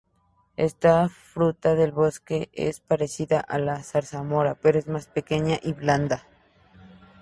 Esta fruta del bosque es parecida a la zarzamora, pero más pequeña y blanda.